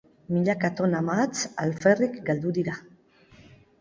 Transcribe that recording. Milaka tona mahats alferrik galdu dira.